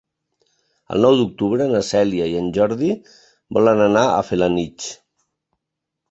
El nou d'octubre na Cèlia i en Jordi volen anar a Felanitx.